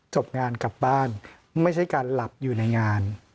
จบงานกลับบ้านไม่ใช่การหลับอยู่ในงาน